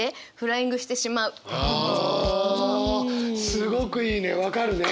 すごくいいね。分かるね。